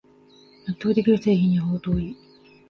納得できる製品にはほど遠い